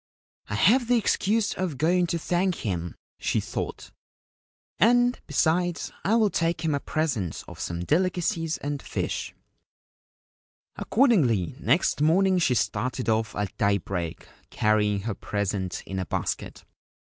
* I have the excuse of going to thank him/ she thought ;' and, besides, I will take him a present of some delicacies and fish/ Accordingly, next morning she started off at daybreak, carrying her present in a basket.